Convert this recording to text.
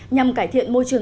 nhằm cải thiện môi trường